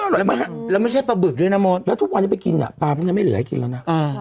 อร่อยอร่อยแล้วไม่ใช่ปลาบึกด้วยนะโมทแล้วทุกวันที่ไปกินอ่ะปลามันจะไม่เหลือให้กินแล้วน่ะอ่า